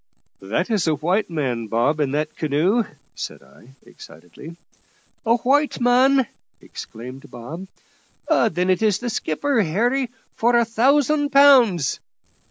"That is a white man, Bob, in that canoe," said I excitedly. "A white man!" exclaimed Bob; "then it's the skipper, Harry, for a thousand pounds."